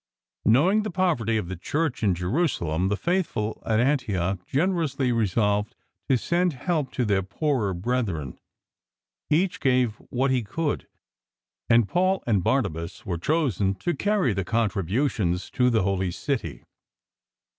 Knowing the poverty of the Church in Jerusalem, the faithful at Antioch gener ously resolved to send help to their poorer brethren. Each gave what he could, and Paul and Barnabas were chosen to carry the contributions to the Holy City.